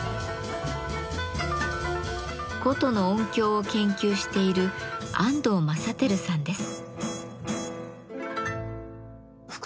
箏の音響を研究している安藤政輝さんです。